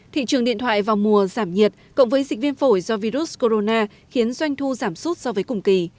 thị trường điện thoại vào mùa giảm nhiệt cộng với dịch viêm phổi do virus corona khiến doanh thu giảm sút so với cùng kỳ